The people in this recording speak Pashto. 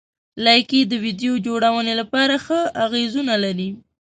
لایکي د ویډیو جوړونې لپاره ښه اغېزونه لري.